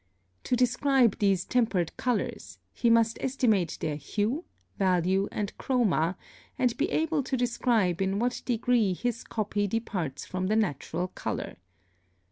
To describe these tempered colors, he must estimate their hue, value, and chroma, and be able to describe in what degree his copy departs from the natural color.